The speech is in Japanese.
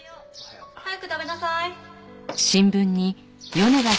早く食べなさい。